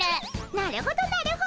なるほどなるほど。